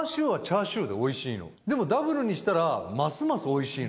でもダブルにしたらますますおいしいのよ。